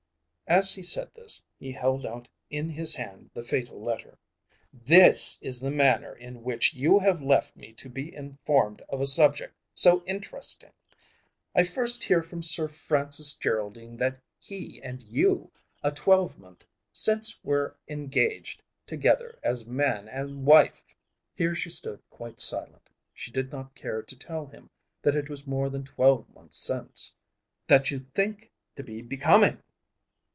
As he said this he held out in his hand the fatal letter. "This is the manner in which you have left me to be informed of a subject so interesting! I first hear from Sir Francis Geraldine that he and you a twelvemonth since were engaged together as man and wife." Here she stood quite silent. She did not care to tell him that it was more than twelve months since. "That you think to be becoming."